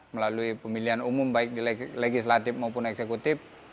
melalui pemilihan umum baik di legislatif maupun eksekutif